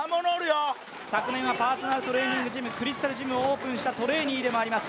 昨年はパーソナルトレーニングジムクリスタルジムをオープンしたトレーニーでもあります。